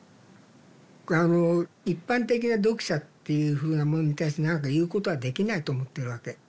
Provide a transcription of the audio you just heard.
あの一般的な読者っていうふうなものに対して何か言うことはできないと思ってるわけ。